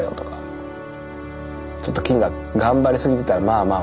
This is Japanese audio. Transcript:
ちょっと菌が頑張りすぎてたらまあまあ